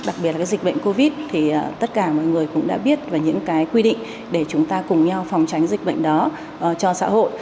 đặc biệt là cái dịch bệnh covid thì tất cả mọi người cũng đã biết về những cái quy định để chúng ta cùng nhau phòng tránh dịch bệnh đó cho xã hội